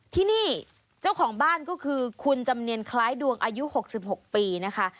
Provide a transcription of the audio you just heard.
ที่นี่เจ้าของบ้านก็คือคุณจำเนียนคล้ายดวงอายุ๖๖ปีนะคะ